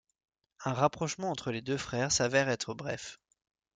Un rapprochement entre les deux frères s'avère être bref.